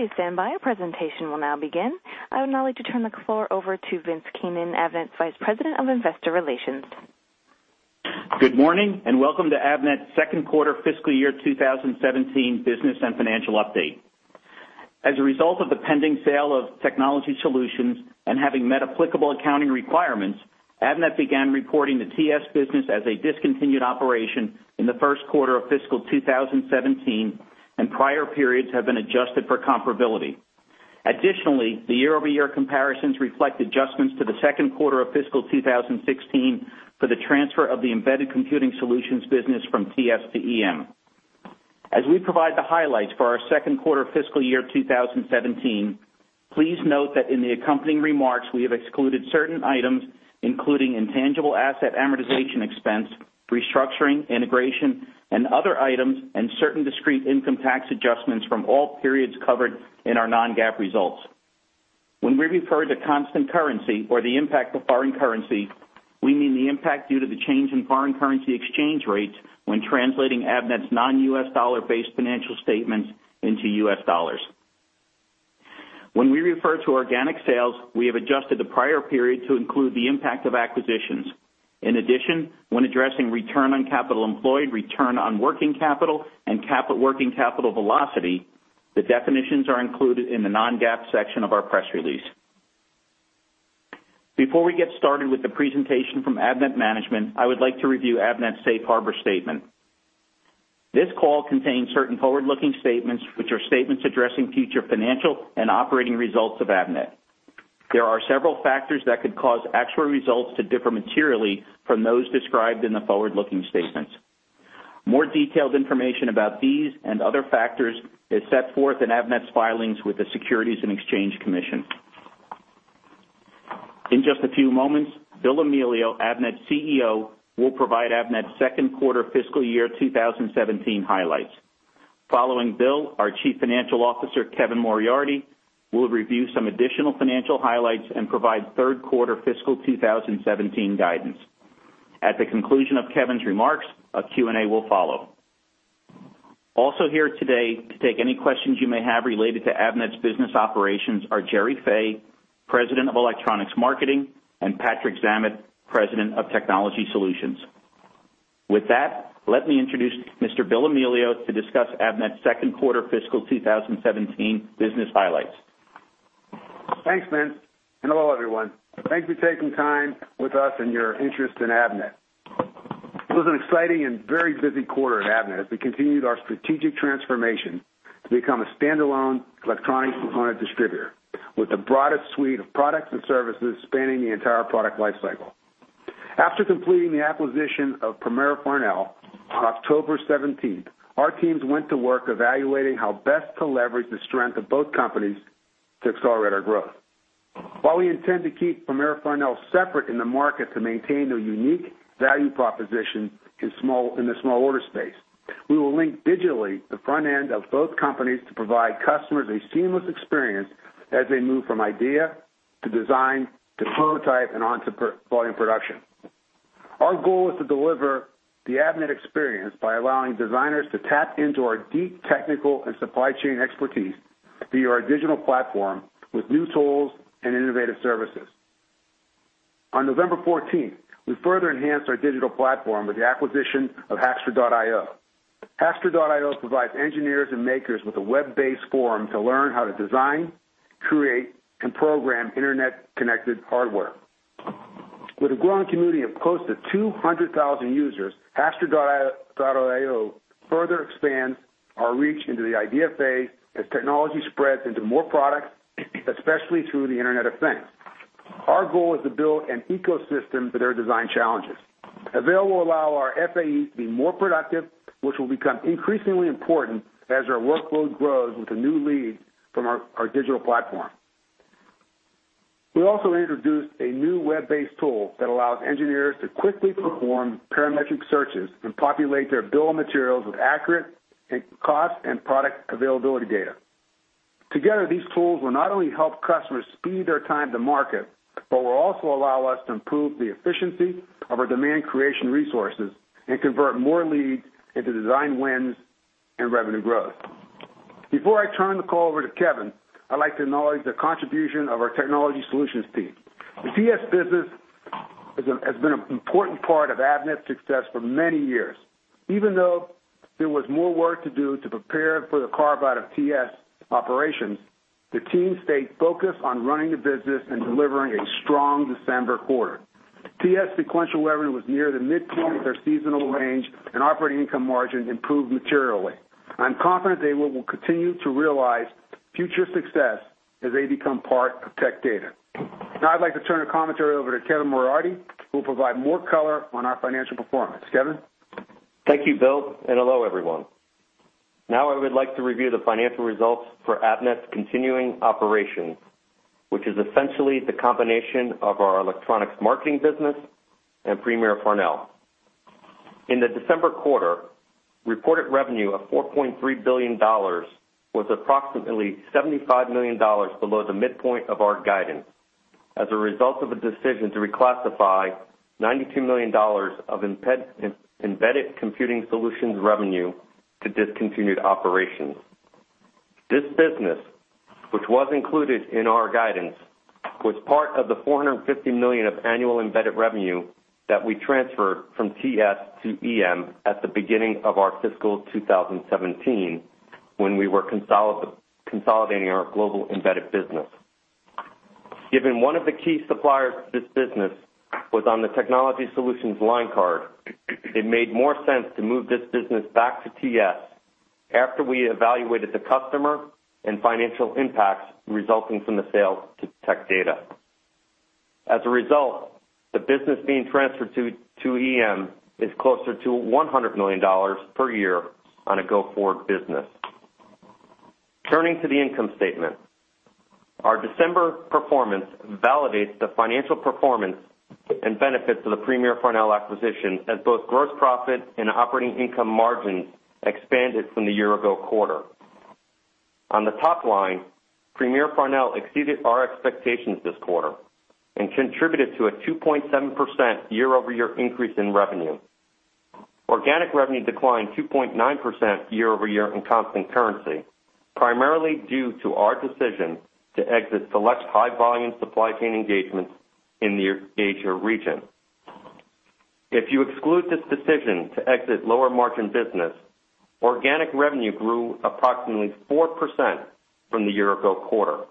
Please stand by. Our presentation will now begin. I would now like to turn the floor over to Vince Keenan, Avnet's Vice President of Investor Relations. Good morning, and welcome to Avnet's second quarter fiscal year 2017 business and financial update. As a result of the pending sale of Technology Solutions and having met applicable accounting requirements, Avnet began reporting the TS business as a discontinued operation in the first quarter of fiscal 2017, and prior periods have been adjusted for comparability. Additionally, the year-over-year comparisons reflect adjustments to the second quarter of fiscal 2016 for the transfer of the Embedded Computing Solutions business from TS to EM. As we provide the highlights for our second quarter fiscal year 2017, please note that in the accompanying remarks, we have excluded certain items, including intangible asset amortization expense, restructuring, integration, and other items, and certain discrete income tax adjustments from all periods covered in our non-GAAP results. When we refer to constant currency or the impact of foreign currency, we mean the impact due to the change in foreign currency exchange rates when translating Avnet's non-U.S. dollar-based financial statements into U.S. dollars. When we refer to organic sales, we have adjusted the prior period to include the impact of acquisitions. In addition, when addressing return on capital employed, return on working capital, and working capital velocity, the definitions are included in the non-GAAP section of our press release. Before we get started with the presentation from Avnet management, I would like to review Avnet's safe harbor statement. This call contains certain forward-looking statements, which are statements addressing future financial and operating results of Avnet. There are several factors that could cause actual results to differ materially from those described in the forward-looking statements. More detailed information about these and other factors is set forth in Avnet's filings with the Securities and Exchange Commission. In just a few moments, Bill Amelio, Avnet's CEO, will provide Avnet's second quarter fiscal year 2017 highlights. Following Bill, our Chief Financial Officer, Kevin Moriarty, will review some additional financial highlights and provide third quarter fiscal 2017 guidance. At the conclusion of Kevin's remarks, a Q&A will follow. Also here today, to take any questions you may have related to Avnet's business operations are Gerry Fay, President of Electronics Marketing, and Patrick Zammit, President of Technology Solutions. With that, let me introduce Mr. Bill Amelio to discuss Avnet's second quarter fiscal 2017 business highlights. Thanks, Vince, and hello, everyone. Thank you for taking time with us and your interest in Avnet. It was an exciting and very busy quarter at Avnet as we continued our strategic transformation to become a standalone electronics component distributor, with the broadest suite of products and services spanning the entire product life cycle. After completing the acquisition of Premier Farnell on October seventeenth, our teams went to work evaluating how best to leverage the strength of both companies to accelerate our growth. While we intend to keep Premier Farnell separate in the market to maintain their unique value proposition in the small order space, we will link digitally the front end of both companies to provide customers a seamless experience as they move from idea, to design, to prototype, and on to volume production. Our goal is to deliver the Avnet experience by allowing designers to tap into our deep technical and supply chain expertise through our digital platform with new tools and innovative services. On November fourteenth, we further enhanced our digital platform with the acquisition of Hackster.io. Hackster.io provides engineers and makers with a web-based forum to learn how to design, create, and program internet-connected hardware. With a growing community of close to 200,000 users, Hackster.io further expands our reach into the idea phase as technology spreads into more products, especially through the Internet of Things. Our goal is to build an ecosystem for their design challenges, as they will allow our FAEs to be more productive, which will become increasingly important as our workload grows with the new leads from our digital platform. We also introduced a new web-based tool that allows engineers to quickly perform parametric searches and populate their bill of materials with accurate, and cost, and product availability data. Together, these tools will not only help customers speed their time to market, but will also allow us to improve the efficiency of our demand creation resources and convert more leads into design wins and revenue growth. Before I turn the call over to Kevin, I'd like to acknowledge the contribution of our Technology Solutions team. The TS business has been an important part of Avnet's success for many years. Even though there was more work to do to prepare for the carve-out of TS operations, the team stayed focused on running the business and delivering a strong December quarter. TS sequential revenue was near the midpoint of their seasonal range, and operating income margin improved materially. I'm confident they will continue to realize future success as they become part of Tech Data. Now, I'd like to turn the commentary over to Kevin Moriarty, who will provide more color on our financial performance. Kevin? Thank you, Bill, and hello, everyone. Now, I would like to review the financial results for Avnet's continuing operations, which is essentially the combination of our Electronics Marketing business and Premier Farnell. In the December quarter, reported revenue of $4.3 billion was approximately $75 million below the midpoint of our guidance, as a result of a decision to reclassify $92 million of Embedded Computing Solutions revenue to discontinued operations. This business, which was included in our guidance, was part of the $450 million of annual embedded revenue that we transferred from TS to EM at the beginning of our fiscal 2017, when we were consolidating our global embedded business. Given one of the key suppliers to this business was on the Technology Solutions line card, it made more sense to move this business back to TS after we evaluated the customer and financial impacts resulting from the sale to Tech Data. As a result, the business being transferred to EM is closer to $100 million per year on a go-forward business. Turning to the income statement. Our December performance validates the financial performance and benefits of the Premier Farnell acquisition, as both gross profit and operating income margin expanded from the year ago quarter. On the top line, Premier Farnell exceeded our expectations this quarter and contributed to a 2.7% year-over-year increase in revenue. Organic revenue declined 2.9% year-over-year in constant currency, primarily due to our decision to exit select high volume supply chain engagements in the Asia region. If you exclude this decision to exit lower margin business, organic revenue grew approximately 4% from the year-ago quarter.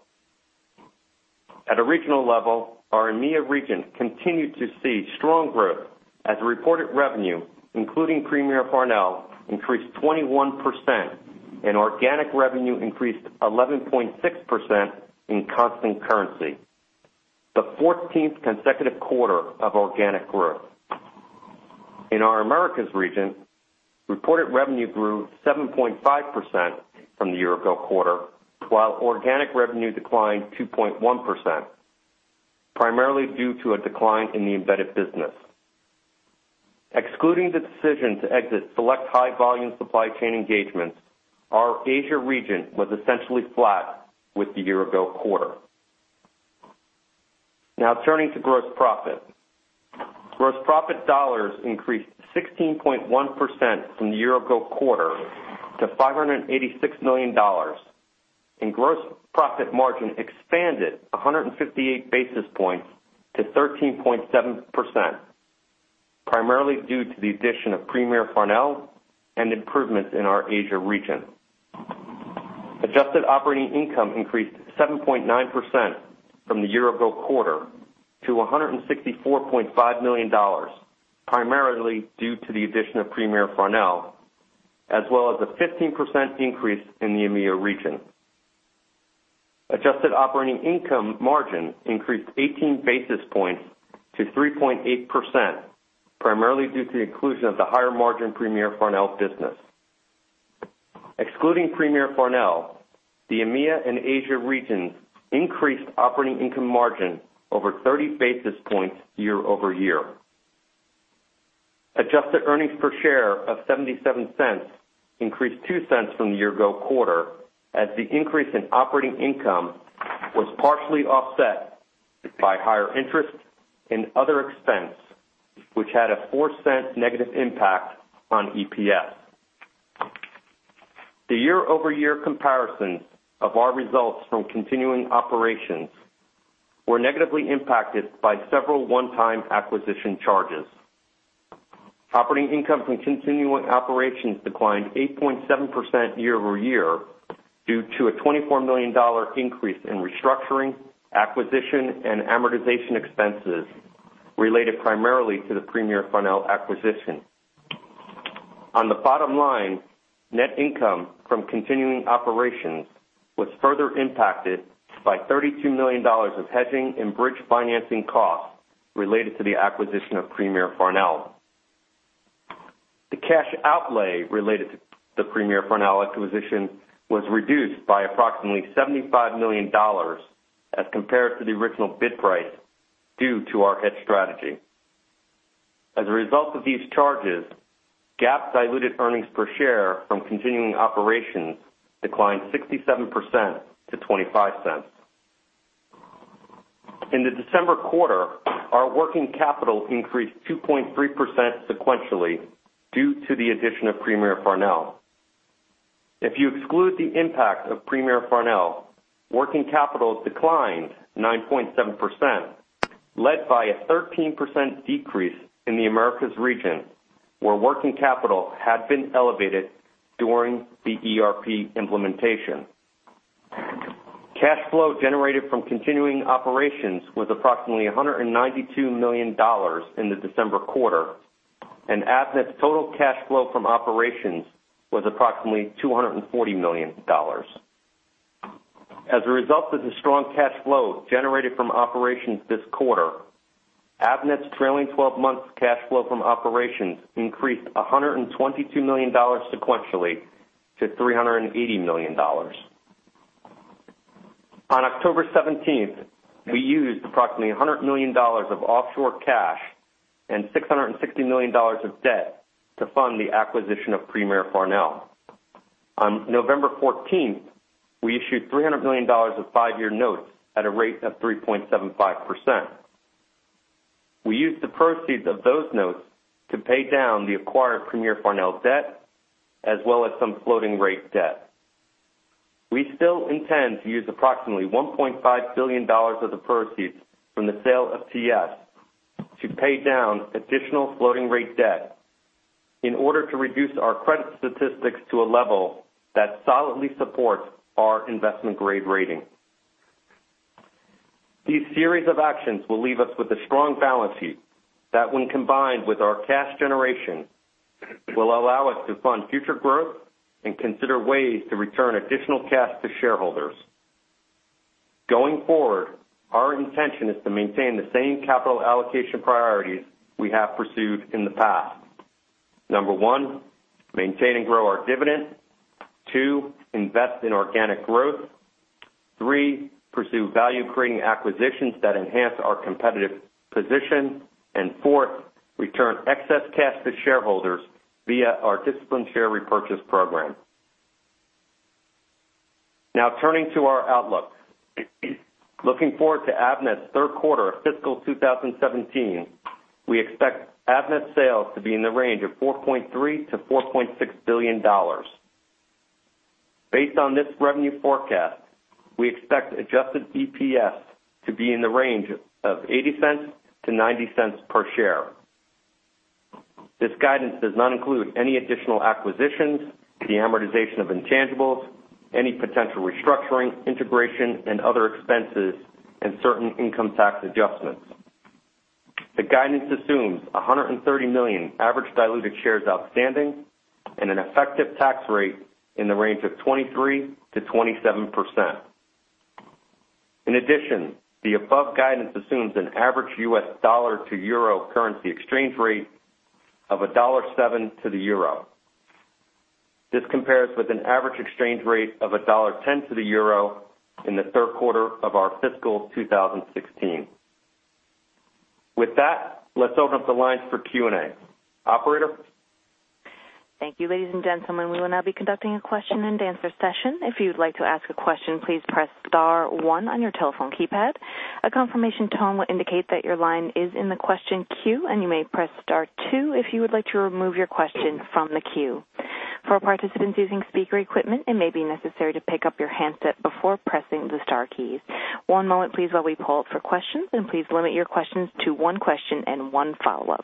At a regional level, our EMEA region continued to see strong growth as reported revenue, including Premier Farnell, increased 21%, and organic revenue increased 11.6% in constant currency, the fourteenth consecutive quarter of organic growth. In our Americas region, reported revenue grew 7.5% from the year-ago quarter, while organic revenue declined 2.1%, primarily due to a decline in the embedded business. Excluding the decision to exit select high volume supply chain engagements, our Asia region was essentially flat with the year-ago quarter. Now turning to gross profit. Gross profit dollars increased 16.1% from the year ago quarter to $586 million, and gross profit margin expanded 158 basis points to 13.7%, primarily due to the addition of Premier Farnell and improvements in our Asia region. Adjusted operating income increased 7.9% from the year ago quarter to $164.5 million, primarily due to the addition of Premier Farnell, as well as a 15% increase in the EMEA region. Adjusted operating income margin increased 18 basis points to 3.8%, primarily due to the inclusion of the higher margin Premier Farnell business. Excluding Premier Farnell, the EMEA and Asia regions increased operating income margin over 30 basis points year-over-year. Adjusted earnings per share of 77 cents increased 2 cents from the year ago quarter, as the increase in operating income was partially offset by higher interest and other expense, which had a 4-cent negative impact on EPS. The year-over-year comparison of our results from continuing operations were negatively impacted by several one-time acquisition charges. Operating income from continuing operations declined 8.7% year-over-year due to a $24 million increase in restructuring, acquisition, and amortization expenses related primarily to the Premier Farnell acquisition. On the bottom line, net income from continuing operations was further impacted by $32 million of hedging and bridge financing costs related to the acquisition of Premier Farnell. The cash outlay related to the Premier Farnell acquisition was reduced by approximately $75 million as compared to the original bid price due to our hedge strategy. As a result of these charges, GAAP diluted earnings per share from continuing operations declined 67% to $0.25. In the December quarter, our working capital increased 2.3% sequentially due to the addition of Premier Farnell. If you exclude the impact of Premier Farnell, working capital declined 9.7%, led by a 13% decrease in the Americas region, where working capital had been elevated during the ERP implementation. Cash flow generated from continuing operations was approximately $192 million in the December quarter, and Avnet's total cash flow from operations was approximately $240 million. As a result of the strong cash flow generated from operations this quarter, Avnet's trailing twelve-month cash flow from operations increased $122 million sequentially to $380 million. On October 17, we used approximately $100 million of offshore cash and $660 million of debt to fund the acquisition of Premier Farnell.... On November 14th, we issued $300 million of 5-year notes at a rate of 3.75%. We used the proceeds of those notes to pay down the acquired Premier Farnell debt, as well as some floating rate debt. We still intend to use approximately $1.5 billion of the proceeds from the sale of TS to pay down additional floating rate debt in order to reduce our credit statistics to a level that solidly supports our investment grade rating. These series of actions will leave us with a strong balance sheet that, when combined with our cash generation, will allow us to fund future growth and consider ways to return additional cash to shareholders. Going forward, our intention is to maintain the same capital allocation priorities we have pursued in the past. Number 1, maintain and grow our dividend. 2, invest in organic growth. 3, pursue value-creating acquisitions that enhance our competitive position. And fourth, return excess cash to shareholders via our disciplined share repurchase program. Now turning to our outlook. Looking forward to Avnet's third quarter of fiscal 2017, we expect Avnet's sales to be in the range of $4.3 billion-$4.6 billion. Based on this revenue forecast, we expect adjusted EPS to be in the range of $0.80-$0.90 per share. This guidance does not include any additional acquisitions, the amortization of intangibles, any potential restructuring, integration and other expenses, and certain income tax adjustments. The guidance assumes 130 million average diluted shares outstanding and an effective tax rate in the range of 23%-27%. In addition, the above guidance assumes an average US dollar to euro currency exchange rate of $1.07 to the euro. This compares with an average exchange rate of $1.10 to the euro in the third quarter of our fiscal 2016. With that, let's open up the lines for Q&A. Operator? Thank you, ladies and gentlemen. We will now be conducting a question-and-answer session. If you'd like to ask a question, please press star one on your telephone keypad. A confirmation tone will indicate that your line is in the question queue, and you may press star two if you would like to remove your question from the queue. For participants using speaker equipment, it may be necessary to pick up your handset before pressing the star keys. One moment please, while we pull up for questions, and please limit your questions to one question and one follow-up.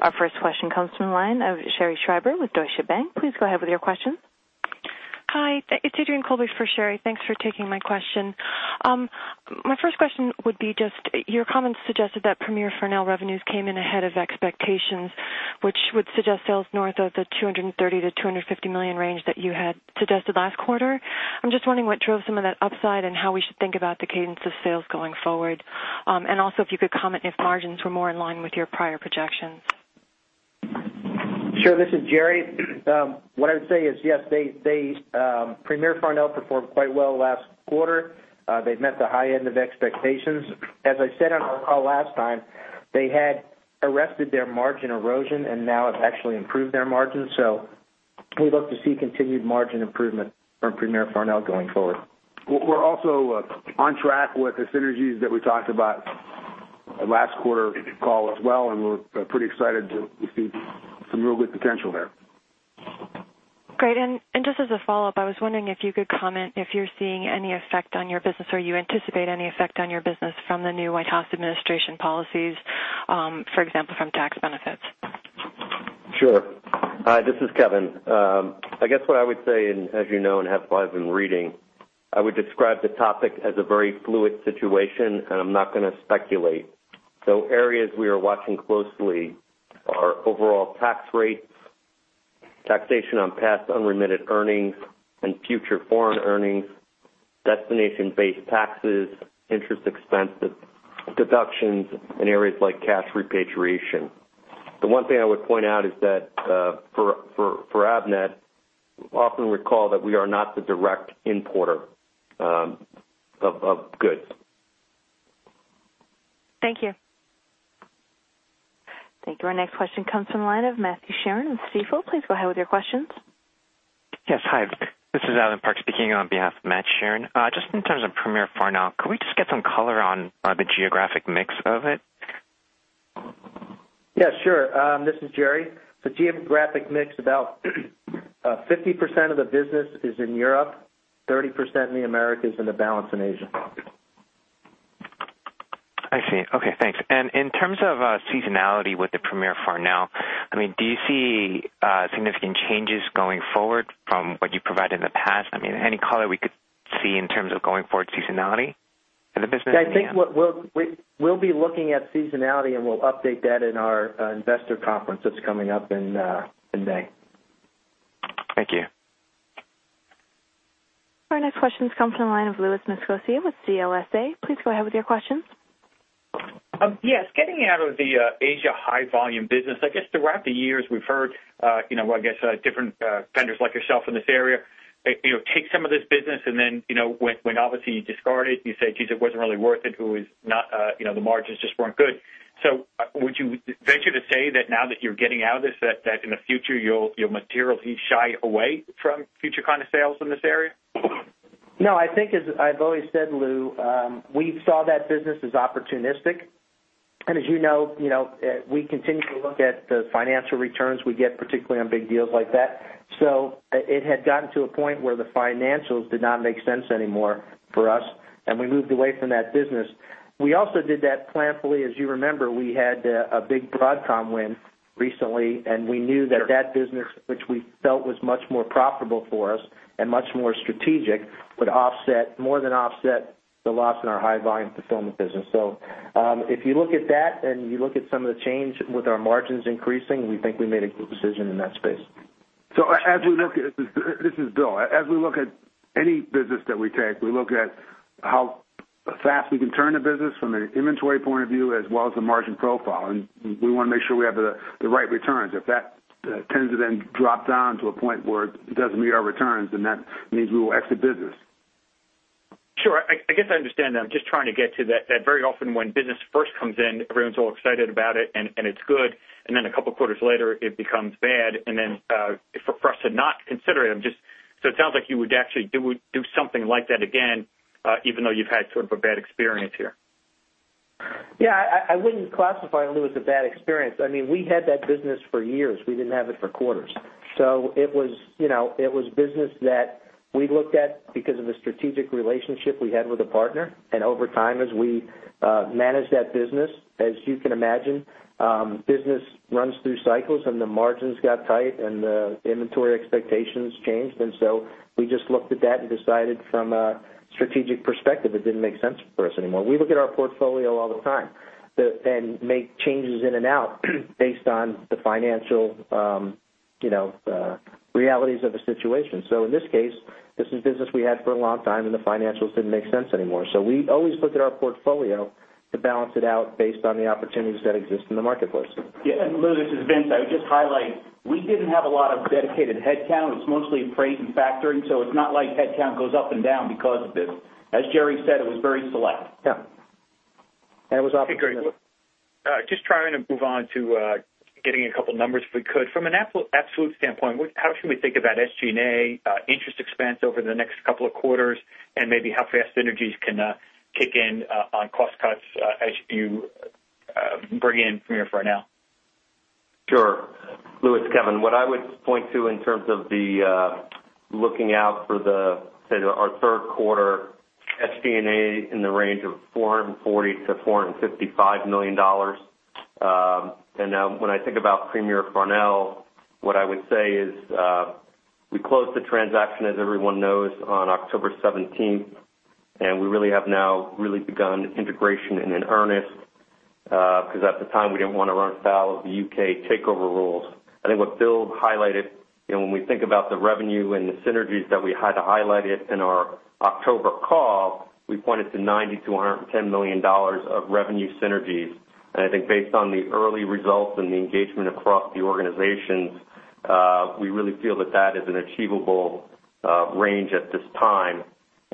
Our first question comes from the line of Sherri Scribner with Deutsche Bank. Please go ahead with your question. Hi, it's Adrienne Colby for Sherri. Thanks for taking my question. My first question would be just, your comments suggested that Premier Farnell revenues came in ahead of expectations, which would suggest sales north of the $230 million-$250 million range that you had suggested last quarter. I'm just wondering what drove some of that upside and how we should think about the cadence of sales going forward? And also, if you could comment if margins were more in line with your prior projections. Sure. This is Gerry. What I would say is, yes, they, Premier Farnell performed quite well last quarter. They've met the high end of expectations. As I said on our call last time, they had arrested their margin erosion and now have actually improved their margins. So we look to see continued margin improvement from Premier Farnell going forward. We're also on track with the synergies that we talked about last quarter call as well, and we're pretty excited to see some real good potential there. Great. And just as a follow-up, I was wondering if you could comment if you're seeing any effect on your business, or you anticipate any effect on your business from the new White House administration policies, for example, from tax benefits? Sure. Hi, this is Kevin. I guess what I would say, and as you know, and as I've been reading, I would describe the topic as a very fluid situation, and I'm not gonna speculate. So areas we are watching closely are overall tax rates, taxation on past unremitted earnings and future foreign earnings, destination-based taxes, interest expenses, deductions in areas like cash repatriation. The one thing I would point out is that, for Avnet, often recall that we are not the direct importer of goods. Thank you. Thank you. Our next question comes from the line of Matt Sheerin with Stifel. Please go ahead with your questions. Yes. Hi, this is Alvin Park speaking on behalf of Matt Sheerin. Just in terms of Premier Farnell, could we just get some color on the geographic mix of it? Yeah, sure. This is Gerry. The geographic mix, about 50% of the business is in Europe, 30% in the Americas, and the balance in Asia. I see. Okay, thanks. And in terms of, seasonality with the Premier Farnell, I mean, do you see, significant changes going forward from what you provided in the past? I mean, any color we could see in terms of going forward seasonality in the business? I think what we'll be looking at seasonality, and we'll update that in our investor conference that's coming up in May. Thank you. Our next question comes from the line of Louis Miscioscia with CLSA. Please go ahead with your questions. Yes, getting out of the Asia high volume business, I guess throughout the years, we've heard, you know, I guess different vendors like yourself in this area, you know, take some of this business and then, you know, when obviously you discard it, you say, "Geez, it wasn't really worth it. It was not, you know, the margins just weren't good." So would you venture to say that now that you're getting out of this, that in the future, you'll materially shy away from future kind of sales in this area? ...No, I think as I've always said, Lou, we saw that business as opportunistic. As you know, we continue to look at the financial returns we get, particularly on big deals like that. So it had gotten to a point where the financials did not make sense anymore for us, and we moved away from that business. We also did that planfully. As you remember, we had a big Broadcom win recently, and we knew that that business, which we felt was much more profitable for us and much more strategic, would offset more than offset the loss in our high volume fulfillment business. So, if you look at that and you look at some of the change with our margins increasing, we think we made a good decision in that space. So as we look at—this is Bill. As we look at any business that we take, we look at how fast we can turn the business from an inventory point of view, as well as the margin profile, and we want to make sure we have the right returns. If that tends to then drop down to a point where it doesn't meet our returns, then that means we will exit business. Sure. I guess I understand that. I'm just trying to get to that very often when business first comes in, everyone's all excited about it and it's good, and then a couple of quarters later, it becomes bad. And then for us to not consider it, I'm just... So it sounds like you would actually do something like that again, even though you've had sort of a bad experience here. Yeah, I wouldn't classify it, Lou, as a bad experience. I mean, we had that business for years. We didn't have it for quarters. So it was, you know, it was business that we looked at because of the strategic relationship we had with a partner. And over time, as we managed that business, as you can imagine, business runs through cycles, and the margins got tight and the inventory expectations changed. And so we just looked at that and decided from a strategic perspective, it didn't make sense for us anymore. We look at our portfolio all the time, and make changes in and out based on the financial, you know, realities of the situation. So in this case, this is business we had for a long time, and the financials didn't make sense anymore. So we always look at our portfolio to balance it out based on the opportunities that exist in the marketplace. Yeah, and Lou, this is Vince. I would just highlight, we didn't have a lot of dedicated headcount. It was mostly freight and factoring, so it's not like headcount goes up and down because of this. As Gerry said, it was very select. Yeah. And it was- Okay, great. Just trying to move on to getting a couple of numbers, if we could. From an absolute standpoint, what, how should we think about SG&A, interest expense over the next couple of quarters, and maybe how fast synergies can kick in on cost cuts, as you bring in Premier Farnell? Sure. Lou, it's Kevin. What I would point to in terms of the, looking out for the, say, our third quarter SG&A in the range of $440 million-$455 million. When I think about Premier Farnell, what I would say is, we closed the transaction, as everyone knows, on October seventeenth, and we really have now really begun integration in earnest, because at the time, we didn't want to run afoul of the UK takeover rules. I think what Bill highlighted, you know, when we think about the revenue and the synergies that we had highlighted in our October call, we pointed to $90 million-$110 million of revenue synergies. I think based on the early results and the engagement across the organizations, we really feel that that is an achievable range at this time.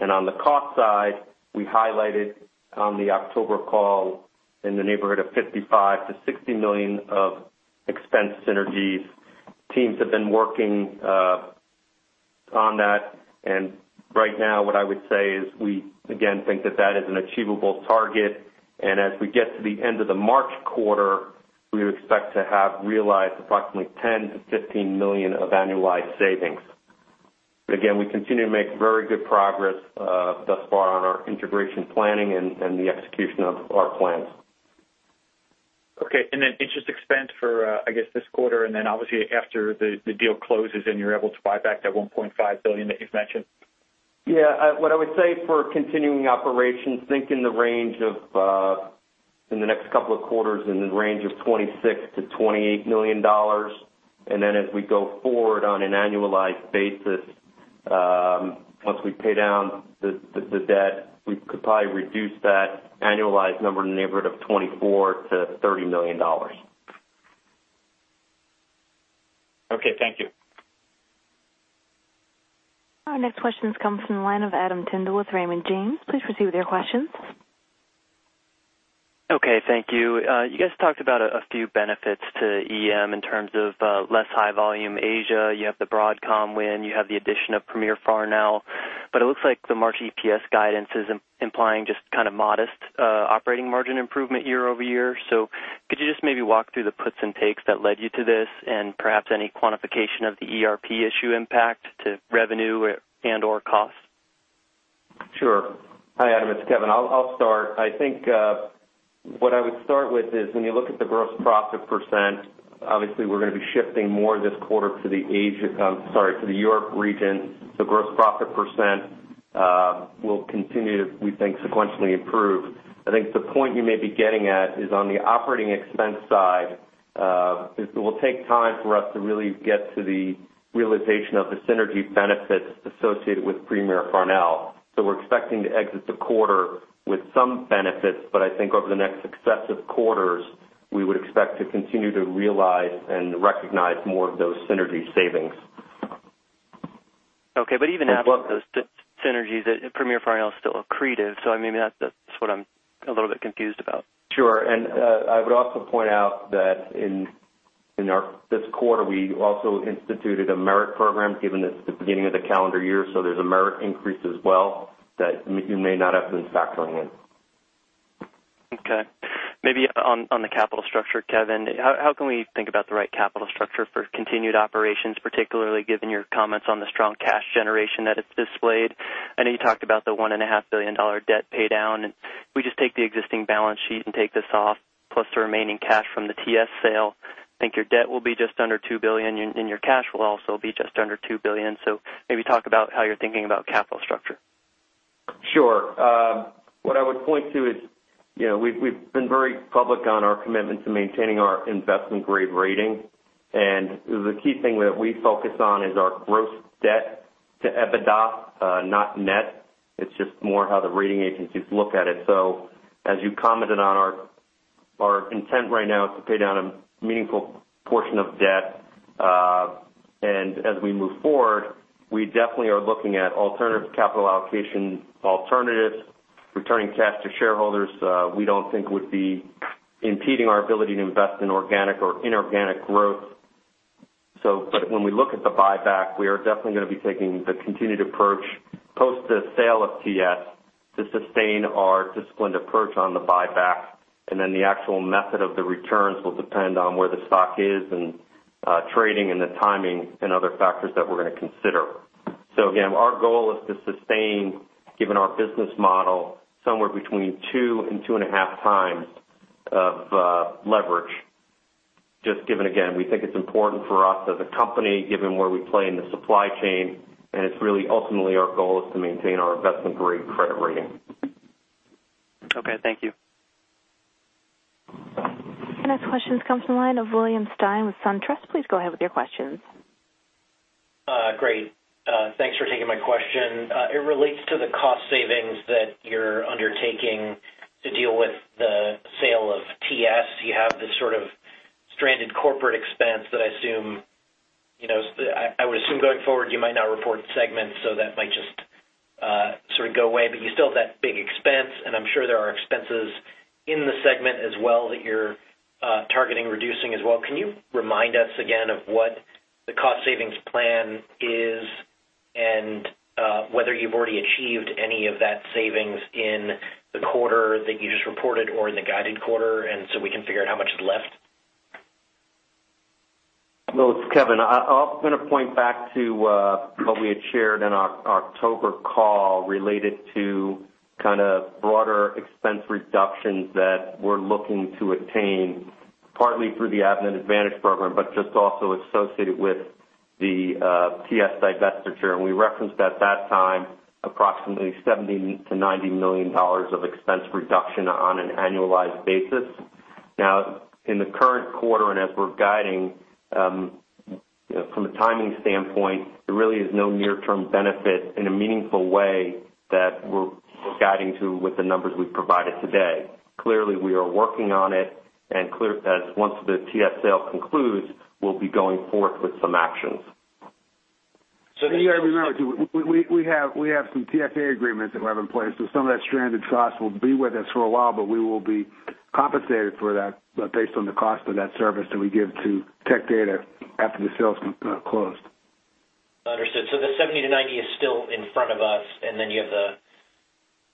On the cost side, we highlighted on the October call in the neighborhood of $55 million-$60 million of expense synergies. Teams have been working on that, and right now, what I would say is we again think that that is an achievable target. As we get to the end of the March quarter, we would expect to have realized approximately $10 million-$15 million of annualized savings. But again, we continue to make very good progress thus far on our integration planning and the execution of our plans. Okay. And then interest expense for, I guess, this quarter, and then obviously after the deal closes and you're able to buy back that $1.5 billion that you've mentioned. Yeah. What I would say for continuing operations, think in the range of, in the next couple of quarters, in the range of $26 million-$28 million. And then as we go forward on an annualized basis, once we pay down the debt, we could probably reduce that annualized number in the neighborhood of $24 million-$30 million. Okay, thank you. Our next question comes from the line of Adam Tindle with Raymond James. Please proceed with your questions. Okay, thank you. You guys talked about a few benefits to EM in terms of less high volume Asia. You have the Broadcom win, you have the addition of Premier Farnell, but it looks like the March EPS guidance is implying just kind of modest operating margin improvement year over year. So could you just maybe walk through the puts and takes that led you to this, and perhaps any quantification of the ERP issue impact to revenue and/or costs? Sure. Hi, Adam, it's Kevin. I'll, I'll start. I think what I would start with is when you look at the gross profit %, obviously we're going to be shifting more this quarter to the Asia—sorry, to the Europe region. The gross profit %, will continue to, we think, sequentially improve. I think the point you may be getting at is on the operating expense side, it will take time for us to really get to the realization of the synergy benefits associated with Premier Farnell. So we're expecting to exit the quarter with some benefits, but I think over the next successive quarters, we would expect to continue to realize and recognize more of those synergy savings. Okay, but even after those synergies, Premier Farnell is still accretive. So, I mean, that's, that's what I'm a little bit confused about. Sure. And I would also point out that in this quarter, we also instituted a merit program, given it's the beginning of the calendar year, so there's a merit increase as well that you may not have been factoring in. Okay. Maybe on the capital structure, Kevin, how can we think about the right capital structure for continued operations, particularly given your comments on the strong cash generation that it's displayed? I know you talked about the $1.5 billion debt pay down, and we just take the existing balance sheet and take this off, plus the remaining cash from the TS sale. I think your debt will be just under $2 billion, and your cash will also be just under $2 billion. So maybe talk about how you're thinking about capital structure. Sure. What I would point to is, you know, we've, we've been very public on our commitment to maintaining our investment-grade rating. And the key thing that we focus on is our gross debt to EBITDA, not net. It's just more how the rating agencies look at it. So as you commented on our intent right now is to pay down a meaningful portion of debt. And as we move forward, we definitely are looking at alternative capital allocation alternatives. Returning cash to shareholders, we don't think would be impeding our ability to invest in organic or inorganic growth. But when we look at the buyback, we are definitely going to be taking the continued approach, post the sale of TS, to sustain our disciplined approach on the buyback, and then the actual method of the returns will depend on where the stock is and trading and the timing and other factors that we're going to consider. So again, our goal is to sustain, given our business model, somewhere between 2 and 2.5 times of leverage. Just given, again, we think it's important for us as a company, given where we play in the supply chain, and it's really ultimately our goal is to maintain our investment-grade credit rating. Okay, thank you. The next question comes from the line of William Stein with SunTrust. Please go ahead with your questions. Great. Thanks for taking my question. It relates to the cost savings that you're undertaking to deal with the sale of TS. You have this sort of stranded corporate expense that I assume, you know, I would assume going forward, you might not report segments, so that might just sort of go away, but you still have that big expense, and I'm sure there are expenses in the segment as well, that you're targeting, reducing as well. Can you remind us again of what the cost savings plan is and whether you've already achieved any of that savings in the quarter that you just reported or in the guided quarter, and so we can figure out how much is left? Well, it's Kevin. I'm going to point back to what we had shared in our October call related to kind of broader expense reductions that we're looking to attain, partly through the Avnet Advantage program, but just also associated with the TS divestiture. And we referenced at that time approximately $70 million-$90 million of expense reduction on an annualized basis. Now, in the current quarter, and as we're guiding, from a timing standpoint, there really is no near-term benefit in a meaningful way that we're guiding to with the numbers we've provided today. Clearly, we are working on it, and once the TS sale concludes, we'll be going forth with some actions. So you got to remember, too, we have some TSA agreements that we have in place, so some of that stranded costs will be with us for a while, but we will be compensated for that based on the cost of that service that we give to Tech Data after the sale has closed. Understood. So the 70-90 is still in front of us, and then you have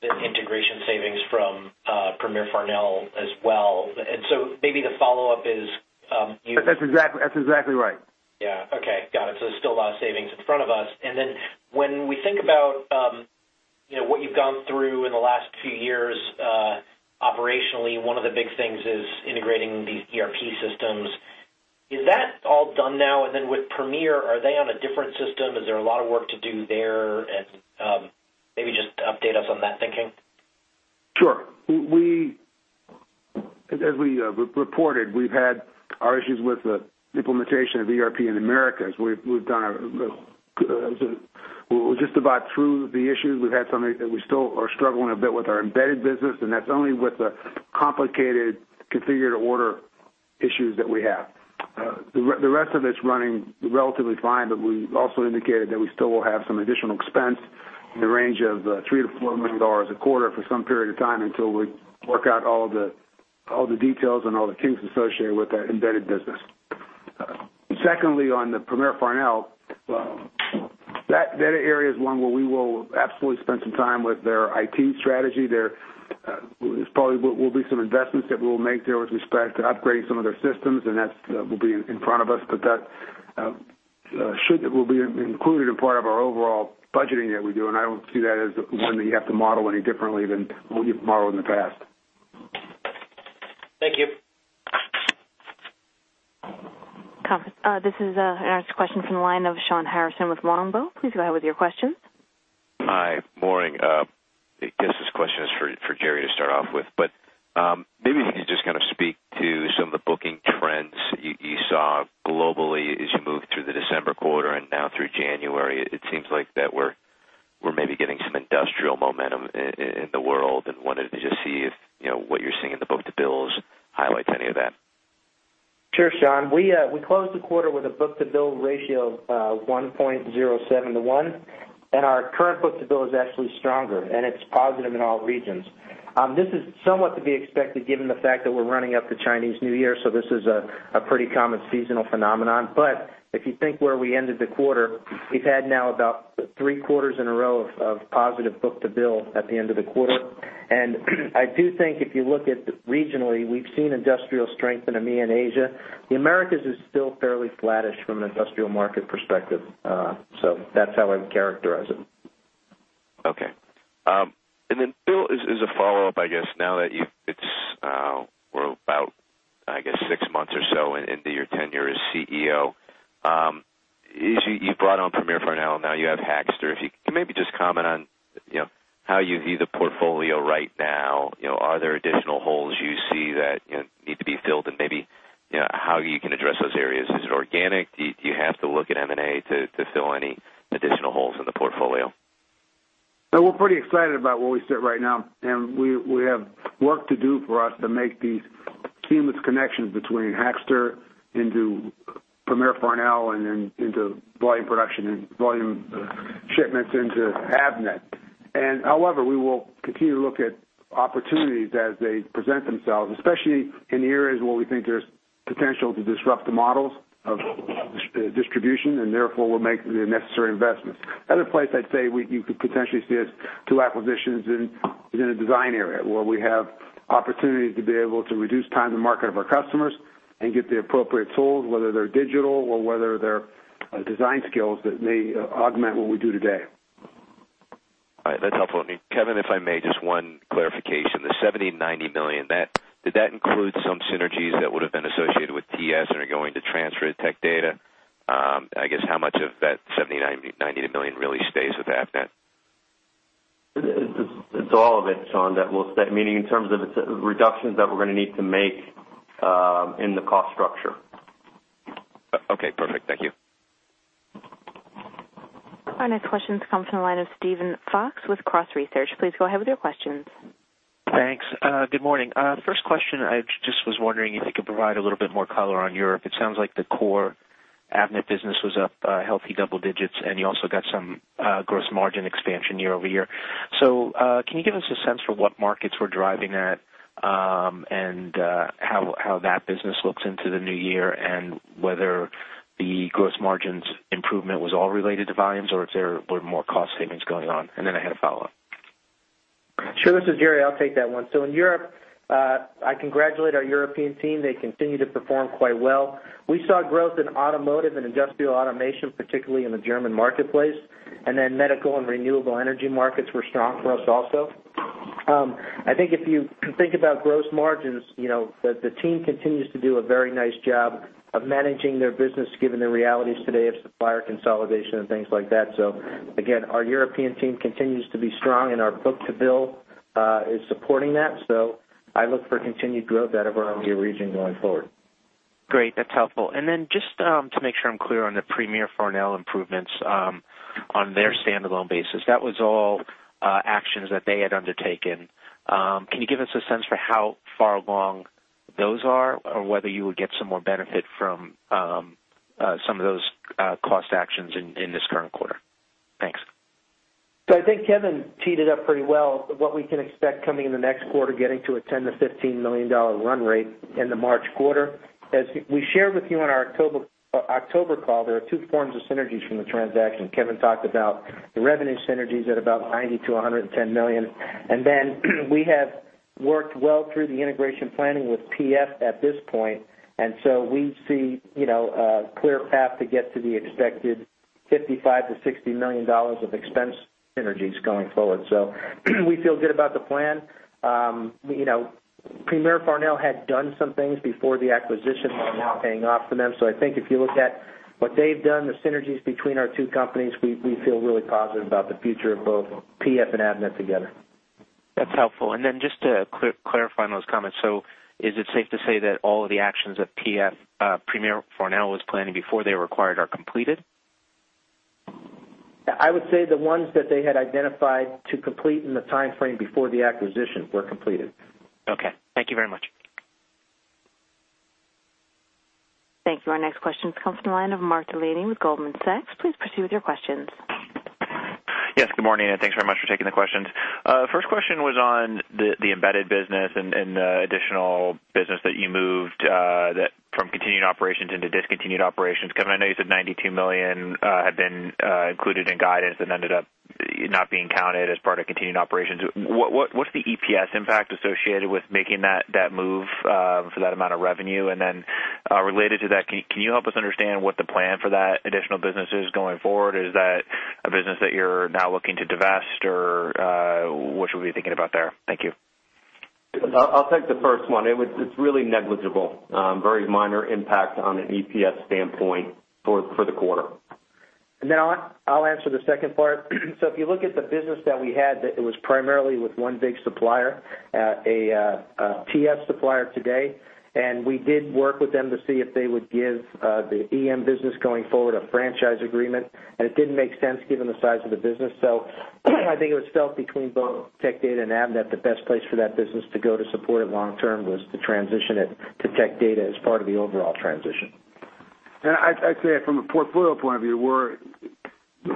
the integration savings from Premier Farnell as well. And so maybe the follow-up is, That's exactly, that's exactly right. Yeah. Okay, got it. So there's still a lot of savings in front of us. And then when we think about, you know, what you've gone through in the last few years, operationally, one of the big things is integrating these ERP systems. Is that all done now? And then with Premier, are they on a different system? Is there a lot of work to do there? And maybe just update us on that thinking. Sure. As we reported, we've had our issues with the implementation of ERP in Americas. We're just about through the issues. We've had some that we still are struggling a bit with our embedded business, and that's only with the complicated configured order issues that we have. The rest of it's running relatively fine, but we also indicated that we still will have some additional expense in the range of $3 million-$4 million a quarter for some period of time until we work out all the details and all the kinks associated with our embedded business. Secondly, on the Premier Farnell, that area is one where we will absolutely spend some time with their IT strategy. There'll probably be some investments that we'll make there with respect to upgrading some of their systems, and that'll be in front of us, but that will be included in part of our overall budgeting that we do, and I don't see that as one that you have to model any differently than what you've modeled in the past. Thank you. This is our next question from the line of Shawn Harrison with Longbow. Please go ahead with your questions. Hi, morning. I guess this question is for, for Gerry to start off with, but maybe can you just kind of speak to some of the booking trends you, you saw globally as you moved through the December quarter and now through January? It seems like that we're, we're maybe getting some industrial momentum in the world, and wanted to just see if, you know, what you're seeing in the book-to-bills highlights any of that. Sure, Shawn. We closed the quarter with a book-to-bill ratio of 1.07 to 1, and our current book-to-bill is actually stronger, and it's positive in all regions. This is somewhat to be expected given the fact that we're running up the Chinese New Year, so this is a pretty common seasonal phenomenon. But if you think where we ended the quarter, we've had now about three quarters in a row of positive book-to-bill at the end of the quarter. And I do think if you look at regionally, we've seen industrial strength in EMEA and Asia. The Americas is still fairly flattish from an industrial market perspective. So that's how I would characterize it. Okay. And then, Bill, as a follow-up, I guess now that you've-- it's, we're about, I guess, six months or so into your tenure as CEO, is you, you brought on Premier Farnell, now you have Hackster. If you can maybe just comment on, you know, how you view the portfolio right now. You know, are there additional holes you see that, you know, need to be filled? And maybe, you know, how you can address those areas. Is it organic? Do you, do you have to look at M&A to, to fill any additional holes in the portfolio? No, we're pretty excited about where we sit right now, and we, we have work to do for us to make these seamless connections between Hackster into Premier Farnell and then into volume production and volume shipments into Avnet. And however, we will continue to look at opportunities as they present themselves, especially in areas where we think there's potential to disrupt the models of distribution, and therefore, we'll make the necessary investments. Other place I'd say you could potentially see us do acquisitions in, in the design area, where we have opportunities to be able to reduce time to market of our customers and get the appropriate tools, whether they're digital or whether they're design skills that may augment what we do today. All right. That's helpful. And Kevin, if I may, just one clarification. The $70 million-$90 million, that—did that include some synergies that would have been associated with TS and are going to transfer to Tech Data? I guess how much of that $70 million-$90 million really stays with Avnet? It's all of it, Shawn, that we'll set... Meaning in terms of the reductions that we're going to need to make in the cost structure. Okay, perfect. Thank you. Our next question comes from the line of Steven Fox with Cross Research. Please go ahead with your questions. Thanks. Good morning. First question, I just was wondering if you could provide a little bit more color on Europe. It sounds like the core Avnet business was up healthy double digits, and you also got some gross margin expansion year-over-year. So, can you give us a sense for what markets were driving that, and how that business looks into the new year, and whether the gross margins improvement was all related to volumes, or if there were more cost savings going on? And then I had a follow-up. Sure, this is Gerry. I'll take that one. So in Europe, I congratulate our European team. They continue to perform quite well. We saw growth in automotive and industrial automation, particularly in the German marketplace, and then medical and renewable energy markets were strong for us also. I think if you think about gross margins, you know, the team continues to do a very nice job of managing their business, given the realities today of supplier consolidation and things like that. So again, our European team continues to be strong, and our book-to-bill is supporting that. So I look for continued growth out of our EMEA region going forward. Great, that's helpful. And then just, to make sure I'm clear on the Premier Farnell improvements, on their standalone basis, that was all, actions that they had undertaken. Can you give us a sense for how far along those are, or whether you would get some more benefit from, some of those, cost actions in this current quarter? Thanks. So I think Kevin teed it up pretty well. What we can expect coming in the next quarter, getting to a $10-$15 million run rate in the March quarter. As we shared with you on our October call, there are two forms of synergies from the transaction. Kevin talked about the revenue synergies at about $90-$110 million. And then we have worked well through the integration planning with PF at this point, and so we see, you know, a clear path to get to the expected $55-$60 million of expense synergies going forward. So we feel good about the plan. You know, Premier Farnell had done some things before the acquisition are now paying off for them. So, I think if you look at what they've done, the synergies between our two companies, we feel really positive about the future of both PF and Avnet together. That's helpful. And then just to clarify on those comments, so is it safe to say that all of the actions that PF, Premier Farnell, was planning before they were acquired, are completed? I would say the ones that they had identified to complete in the time frame before the acquisition were completed. Okay. Thank you very much. Thank you. Our next question comes from the line of Mark Delaney with Goldman Sachs. Please proceed with your questions. Yes, good morning, and thanks very much for taking the questions. First question was on the embedded business and additional business that you moved that from continued operations into discontinued operations. Kevin, I know you said $92 million had been included in guidance and ended up not being counted as part of continued operations. What's the EPS impact associated with making that move for that amount of revenue? And then related to that, can you help us understand what the plan for that additional business is going forward? Is that a business that you're now looking to divest, or what should we be thinking about there? Thank you. I'll take the first one. It was. It's really negligible, very minor impact on an EPS standpoint for the quarter. Then I'll, I'll answer the second part. So if you look at the business that we had, that it was primarily with one big supplier, a TS supplier today, and we did work with them to see if they would give the EM business going forward a franchise agreement, and it didn't make sense given the size of the business. So I think it was felt between both Tech Data and Avnet, the best place for that business to go to support it long term was to transition it to Tech Data as part of the overall transition.... And I, I'd say from a portfolio point of view, we're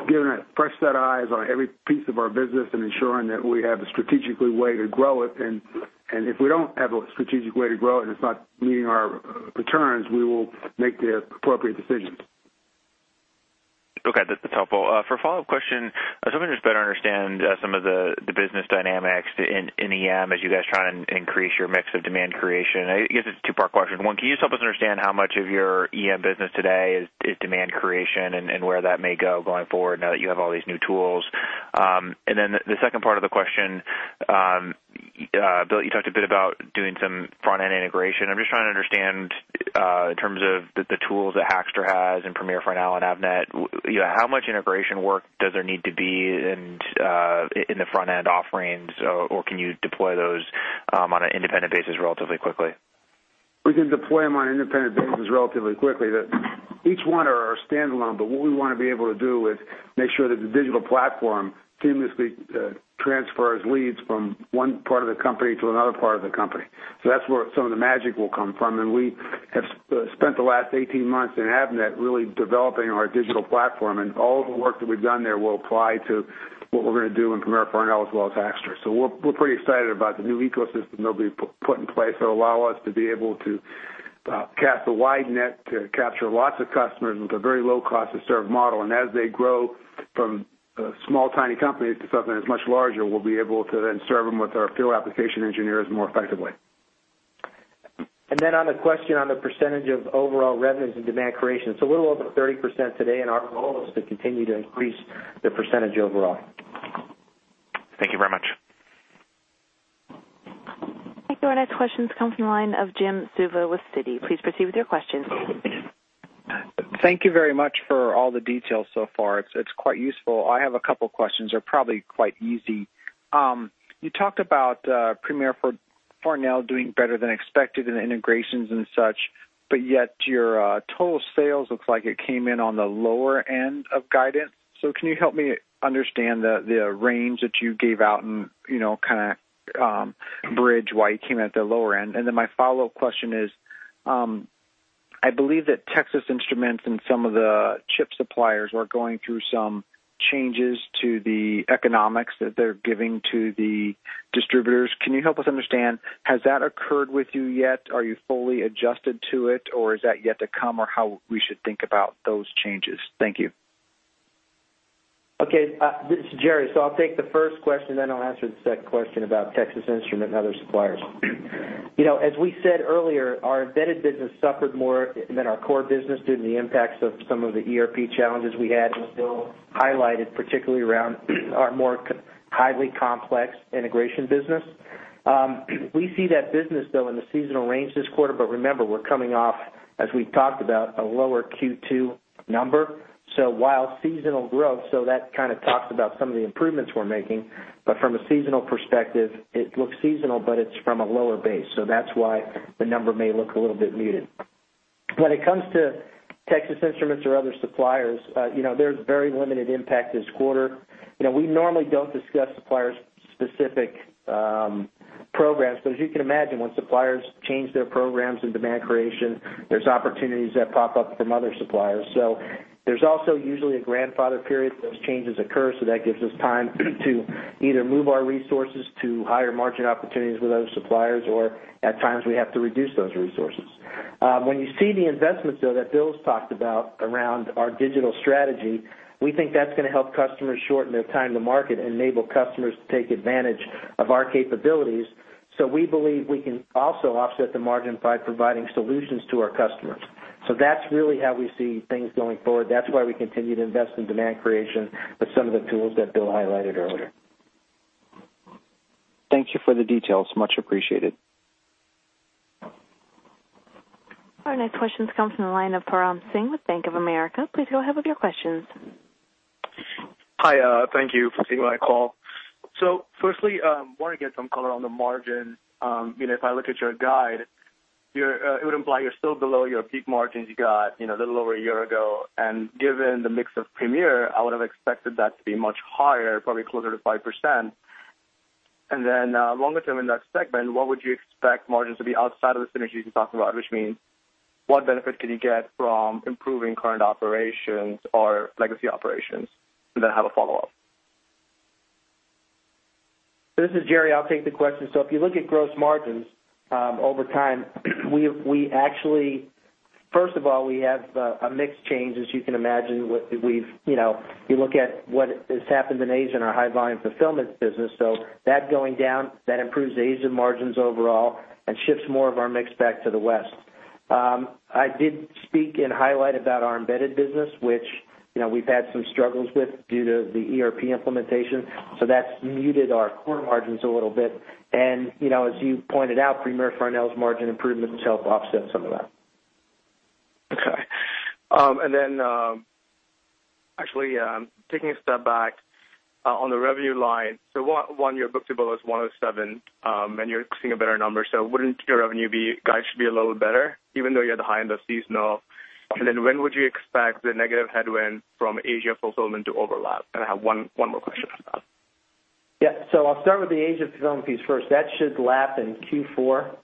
giving a fresh set of eyes on every piece of our business and ensuring that we have a strategic way to grow it. And if we don't have a strategic way to grow it, and it's not meeting our returns, we will make the appropriate decisions. Okay, that's helpful. For a follow-up question, I was hoping to just better understand some of the business dynamics in EM as you guys try and increase your mix of demand creation. I guess it's a two-part question. One, can you just help us understand how much of your EM business today is demand creation and where that may go going forward now that you have all these new tools? And then the second part of the question, Bill, you talked a bit about doing some front-end integration. I'm just trying to understand in terms of the tools that Hackster has and Premier Farnell and Avnet, you know, how much integration work does there need to be and in the front-end offerings, or can you deploy those on an independent basis relatively quickly? We can deploy them on an independent basis relatively quickly. That each one are standalone, but what we want to be able to do is make sure that the digital platform seamlessly transfers leads from one part of the company to another part of the company. So that's where some of the magic will come from, and we have spent the last 18 months in Avnet, really developing our digital platform, and all of the work that we've done there will apply to what we're going to do in Premier Farnell as well as Hackster. So we're pretty excited about the new ecosystem that'll be put in place. It'll allow us to be able to cast a wide net to capture lots of customers with a very low cost to serve model. As they grow from a small, tiny company to something that's much larger, we'll be able to then serve them with our field application engineers more effectively. On the question, on the percentage of overall revenues and demand creation, it's a little over 30% today, and our goal is to continue to increase the percentage overall. Thank you very much. Thank you. Our next question comes from the line of Jim Suva with Citi. Please proceed with your question. Thank you very much for all the details so far. It's quite useful. I have a couple questions; they're probably quite easy. You talked about Premier Farnell doing better than expected in the integrations and such, but yet your total sales looks like it came in on the lower end of guidance. So can you help me understand the range that you gave out and, you know, kind of bridge why you came in at the lower end? And then my follow-up question is, I believe that Texas Instruments and some of the chip suppliers are going through some changes to the economics that they're giving to the distributors. Can you help us understand, has that occurred with you yet? Are you fully adjusted to it, or is that yet to come, or how we should think about those changes? Thank you. Okay, this is Gerry. So I'll take the first question, then I'll answer the second question about Texas Instruments and other suppliers. You know, as we said earlier, our embedded business suffered more than our core business due to the impacts of some of the ERP challenges we had, and Bill highlighted, particularly around our more highly complex integration business. We see that business, though, in the seasonal range this quarter, but remember, we're coming off, as we talked about, a lower Q2 number. So while seasonal growth, so that kind of talks about some of the improvements we're making, but from a seasonal perspective, it looks seasonal, but it's from a lower base, so that's why the number may look a little bit muted. When it comes to Texas Instruments or other suppliers, you know, there's very limited impact this quarter. You know, we normally don't discuss supplier-specific programs, but as you can imagine, when suppliers change their programs and demand creation, there's opportunities that pop up from other suppliers. So there's also usually a grandfather period those changes occur, so that gives us time to either move our resources to higher margin opportunities with those suppliers, or at times, we have to reduce those resources. When you see the investments, though, that Bill's talked about around our digital strategy, we think that's going to help customers shorten their time to market and enable customers to take advantage of our capabilities. So we believe we can also offset the margin by providing solutions to our customers. So that's really how we see things going forward. That's why we continue to invest in demand creation with some of the tools that Bill highlighted earlier. Thank you for the details. Much appreciated. Our next question comes from the line of Param Singh with Bank of America. Please go ahead with your questions. Hi, thank you for taking my call. So firstly, want to get some color on the margin. You know, if I look at your guide, you're, it would imply you're still below your peak margins you got, you know, a little over a year ago, and given the mix of Premier, I would have expected that to be much higher, probably closer to 5%. And then, longer term in that segment, what would you expect margins to be outside of the synergies you're talking about? Which means, what benefit can you get from improving current operations or legacy operations? And then I have a follow-up. This is Gerry. I'll take the question. So if you look at gross margins over time, we actually first of all we have a mix change, as you can imagine, with we've you know you look at what has happened in Asia in our high-volume fulfillment business. So that going down, that improves the Asian margins overall and shifts more of our mix back to the West. I did speak and highlight about our embedded business, which you know we've had some struggles with due to the ERP implementation, so that's muted our core margins a little bit. And you know as you pointed out, Premier Farnell's margin improvements help offset some of that. Okay. And then, actually, taking a step back, on the revenue line, so one, your book-to-bill is 1.07, and you're seeing a better number, so wouldn't your revenue be, guide should be a little better, even though you're at the high end of seasonal? And then when would you expect the negative headwind from Asia fulfillment to overlap? And I have one more question.... Yeah, so I'll start with the Asia fulfillment fees first. That should lap in Q4,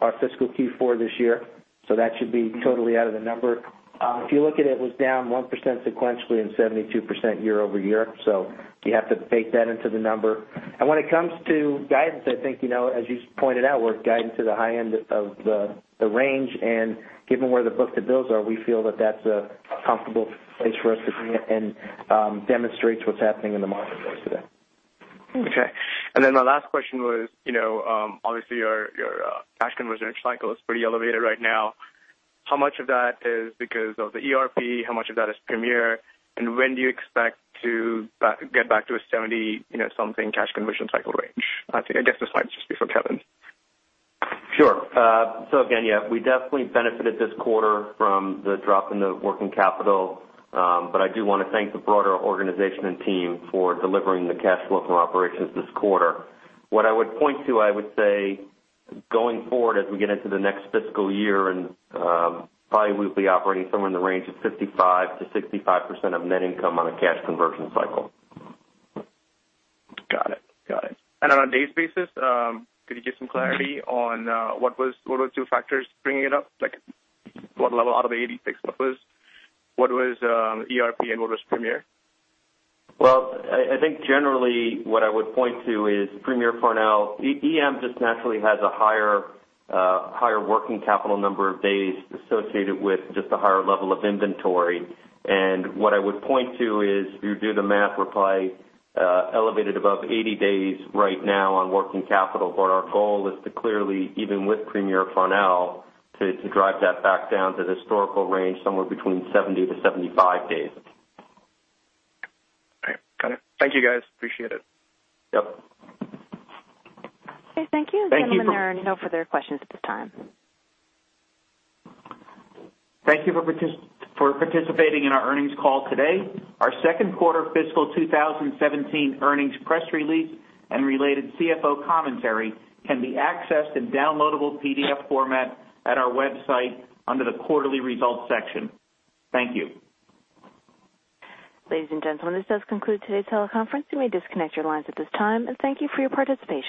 our fiscal Q4 this year, so that should be totally out of the number. If you look at it, it was down 1% sequentially and 72% year-over-year, so you have to bake that into the number. And when it comes to guidance, I think, you know, as you pointed out, we're guiding to the high end of the range. And given where the book-to-bills are, we feel that that's a comfortable place for us to be and demonstrates what's happening in the marketplace today. Okay. And then my last question was, you know, obviously, your cash conversion cycle is pretty elevated right now. How much of that is because of the ERP? How much of that is Premier? And when do you expect to get back to a 70, you know, something cash conversion cycle range? I think, I guess, this might just be for Kevin. Sure. So again, yeah, we definitely benefited this quarter from the drop in the working capital. But I do want to thank the broader organization and team for delivering the cash flow from operations this quarter. What I would point to, I would say, going forward, as we get into the next fiscal year, and, probably we'll be operating somewhere in the range of 55%-65% of net income on a cash conversion cycle. Got it. Got it. And on a days basis, could you give some clarity on what were two factors bringing it up? Like, what level out of the 86, what was ERP and what was Premier? Well, I think generally what I would point to is Premier Farnell. EM just naturally has a higher working capital number of days associated with just a higher level of inventory. And what I would point to is, if you do the math, we're probably elevated above 80 days right now on working capital. But our goal is to clearly, even with Premier Farnell, to drive that back down to the historical range, somewhere between 70-75 days. Okay, got it. Thank you, guys. Appreciate it. Yep. Okay, thank you. Thank you. There are no further questions at this time. Thank you for participating in our earnings call today. Our second quarter fiscal 2017 earnings press release and related CFO commentary can be accessed in downloadable PDF format at our website under the Quarterly Results section. Thank you. Ladies and gentlemen, this does conclude today's teleconference. You may disconnect your lines at this time, and thank you for your participation.